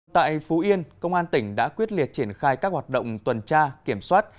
tại phú yên công an tỉnh đã quyết liệt triển khai các hoạt động tuần tra kiểm soát